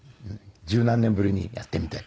十何年ぶりにやってみて。